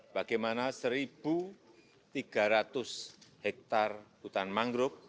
bagaimana satu tiga ratus hektare hutan mangrove